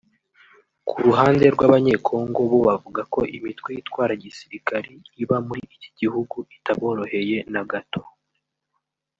Ku ruhande rw’Abanyekongo bo bavuga ko imitwe yitwara gisirikari iba muri iki gihugu itaboroheye na gato